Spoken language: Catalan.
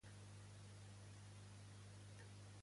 Respecte als anys anteriors, l'aglomeració ha sigut major?